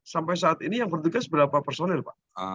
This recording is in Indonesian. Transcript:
sampai saat ini yang bertugas berapa personil pak